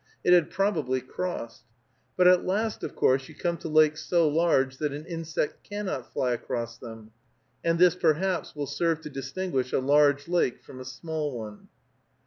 It had probably crossed. But at last, of course, you come to lakes so large that an insect cannot fly across them; and this, perhaps, will serve to distinguish a large lake from a small one.